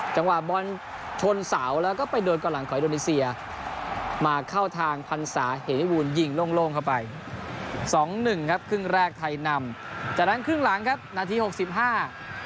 จังหวะบอลชนเสาแล้วก็ไปโดนก่อนหลังของอินโดนีเซียมาเข้าทางพันศาเหนิบูลยิงโล่งโล่งเข้าไปสองหนึ่งครับครึ่งแรกไทยนำจากนั้นครึ่งหลังครับนาทีหกสิบห้า